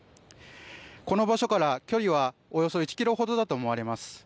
この場所から距離はおよそ１キロほどだと思われます。